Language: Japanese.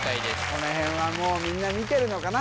この辺はもうみんな見てるのかな